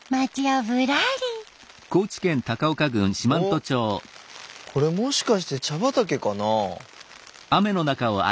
おこれもしかして茶畑かな。